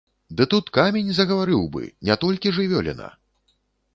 Ды тут камень загаварыў бы, не толькі жывёліна!